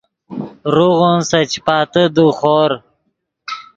روغون سے چیاتے دے خور